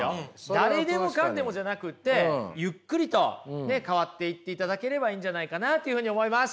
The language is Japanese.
誰でも彼でもじゃなくてゆっくりとね変わっていっていただければいいんじゃないかなというふうに思います。